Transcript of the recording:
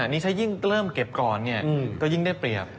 นี่ถ้ายิ่งเริ่มเก็บก่อนก็ยิ่งได้เปรียบ